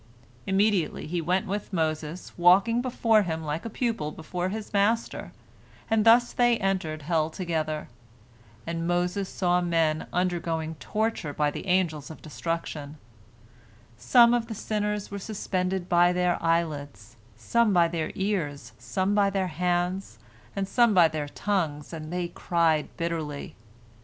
Immediately he went with Moses, walking before him like a pupil before his master, and thus they entered hell together, and Moses saw men undergoing torture by the Angels of Destruction: some of the sinners were suspended by their eyelids, some by their ears, some by their hands, and some by their tongues, and they cried bitterly.